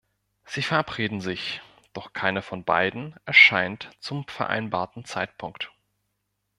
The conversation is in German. Sie verabreden sich, doch keiner von beiden erscheint zum vereinbarten Zeitpunkt.